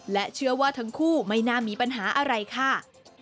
และเชื่อว่าทั้งคู่ไม่น่ามีปัญหาอะไรค่ะ